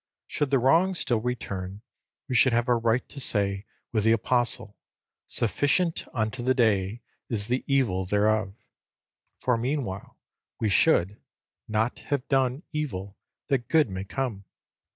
Should the wrong still return, we should have a right to say with the Apostle, "Sufficient unto the day is the evil thereof;" for meanwhile we should "not have done evil that good may come."